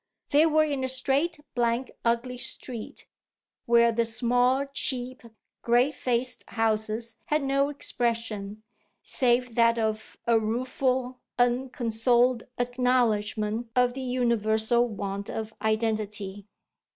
They were in a straight, blank, ugly street, where the small, cheap, grey faced houses had no expression save that of a rueful, unconsoled acknowledgment of the universal want of identity.